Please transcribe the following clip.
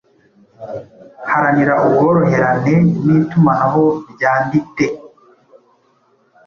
Haranira ubworoherane nitumanaho ryandite